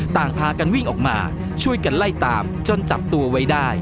ต่างพากันวิ่งออกมาช่วยกันไล่ตามจนจับตัวไว้ได้